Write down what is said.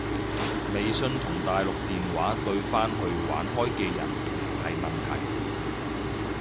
微信同大陸電話對返去玩開嘅人唔係問題